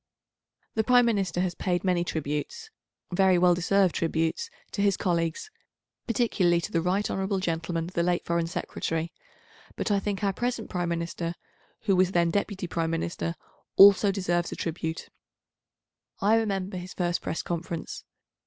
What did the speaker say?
The Prime Minister has paid many tributes, very well deserved tributes, to his colleagues, particularly to the right hon. Gentleman the late Foreign Secretary, but I think our present Prime Minister, who was then Deputy Prime Minister, also deserves a tribute. I remember his first Press conference.